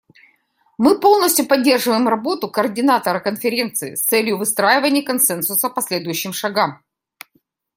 Мы полностью поддерживаем работу координатора конференции с целью выстраивания консенсуса по следующим шагам.